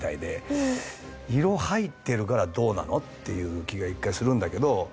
色入ってるからどうなの？っていう気が１回するんだけど。